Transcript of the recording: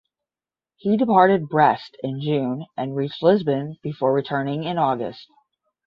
He departed Brest in June and reached Lisbon before returning in August.